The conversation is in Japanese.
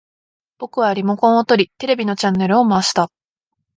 僕はリモコンを取り、テレビのチャンネルを回した